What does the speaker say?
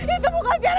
itu bukan tiara